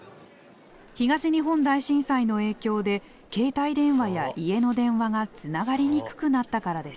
東日本大震災の影響で携帯電話や家の電話がつながりにくくなったからです。